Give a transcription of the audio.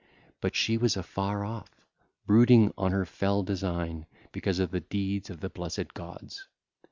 But she was afar off, brooding on her fell design because of the deeds of the blessed gods.